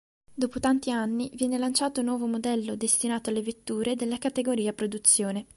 Dopo tanti anni viene lanciato un nuovo modello destinato alle vetture della categoria produzione.